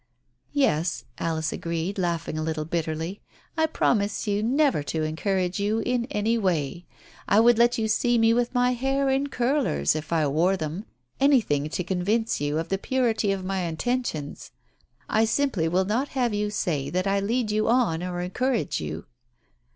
"Yes," Alice agreed, laughing a little bitterly. "I promise you never to encourage you in any way. I would let you see me with my hair in curlers, if I wore them 1 Anything to convince you of the purity of my intentions. I simply will not have you say that I lead you on or encourage you."